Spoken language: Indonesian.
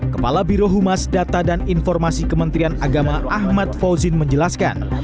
kepala birohumas data dan informasi kementerian agama ahmad fauzin menjelaskan